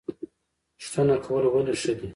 پوښتنه کول ولې ښه دي؟